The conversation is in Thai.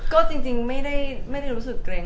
ก็จริงไม่ได้รู้สึกเกรง